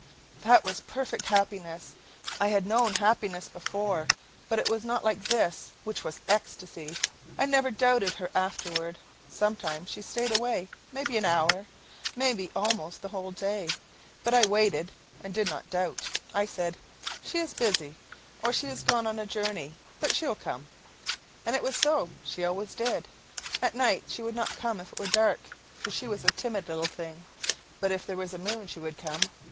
That was perfect happiness; I had known happiness before, but it was not like this, which was ecstasy. I never doubted her afterward. Sometimes she stayed away maybe an hour, maybe almost the whole day, but I waited and did not doubt; I said, "She is busy, or she is gone on a journey, but she will come." And it was so: she always did. At night she would not come if it was dark, for she was a timid little thing; but if there was a moon she would come.